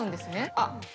あっ！